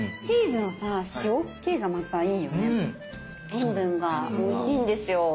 塩分がおいしいんですよ。